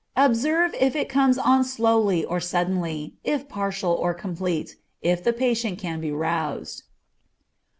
Observe if it comes on slowly or suddenly, if partial or complete, if the patient can be aroused.